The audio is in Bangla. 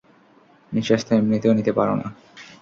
নিঃশ্বাস তো এমনিতেও নিতে পারো না।